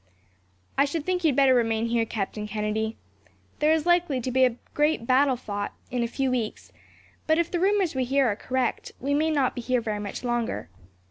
"I should think you had better remain here, Captain Kennedy. There is likely to be a great battle fought, in a few weeks; but if the rumours we hear are correct, we may not be here very much longer.